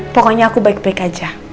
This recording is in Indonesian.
pokoknya aku baik baik aja